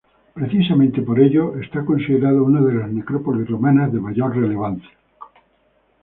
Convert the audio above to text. Precisamente por ello, es considerada una de las necrópolis romanas de mayor relevancia.